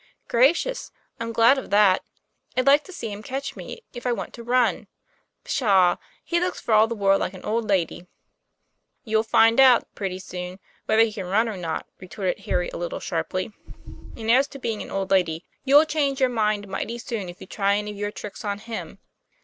;< Gracious! I'm glad of that. I'd like to see him catch me, if I want to run. Pshaw! he looks for all the world like an old lady." "You'll find out, pretty soon, whether he can run or not," retorted Harry a little sharply; "and as to being an old lady, you'll change your mind mighty soon if you try any of your tricks on him.